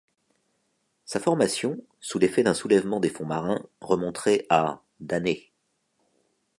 Sa formation, sous l'effet d'un soulèvement des fonds marins, remonterait à d'années.